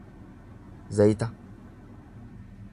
zayita